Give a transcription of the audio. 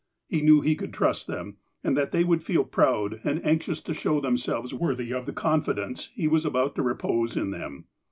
He knew he could trust them, and that they would feel proud and anxious to show themselves worthy of the confidence he was about to repose in them.